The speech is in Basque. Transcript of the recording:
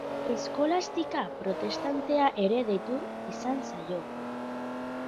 Eskolastika protestantea ere deitu izan zaio.